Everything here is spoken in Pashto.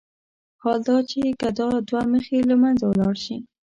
حال دا چې که دا دوه مخي له منځه لاړ شي.